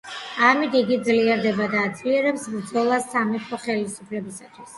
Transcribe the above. ამით იგი ძლიერდება და აგრძელებს ბრძოლას სამეფო ხელისუფლებისათვის.